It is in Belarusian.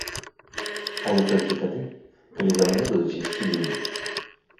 Але толькі тады, калі за мной будуць ісці людзі.